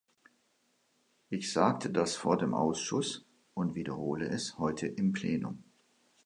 Ich sagte das vor dem Ausschuss und wiederhole es heute im Plenum.